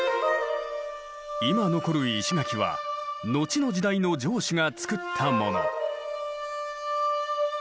今残る石垣は後の時代の城主が造ったもの。